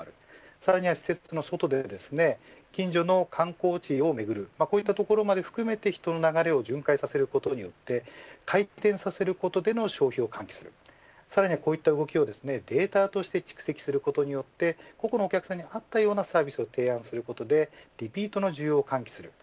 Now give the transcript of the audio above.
さらには施設の外で近所の観光地をめぐるこういったところまで含めて人の流れを循環させることによって回転させることでの消費を喚起するさらに、こういった動きをデータとして蓄積することによってここのお客さんに合ったサービスを提案することでリピートの需要を喚起する。